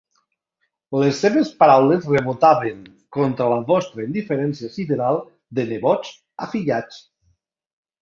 Les seves paraules rebotaven contra la vostra indiferència sideral de nebots afillats.